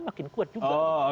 makin kuat juga